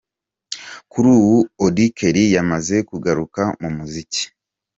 Kuri ubu Auddy Kelly yamaze kugaruka mu muziki.